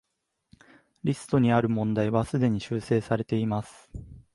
リストにある問題はすでに修正されています